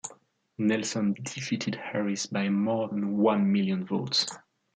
Nelson defeated Harris by more than one million votes.